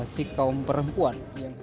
representasi kaum perempuan